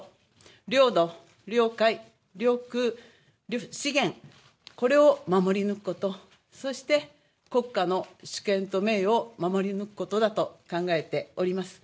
領土、領海、領空、資源、これを守り抜くこと、そして、国家の主権と名誉を守り抜くことだと考えております。